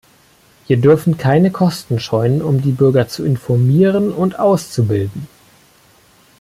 Wir dürfen keine Kosten scheuen, um die Bürger zu informieren und auszubilden.